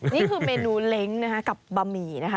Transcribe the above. นี่คือเมนูเล้งนะคะกับบะหมี่นะคะ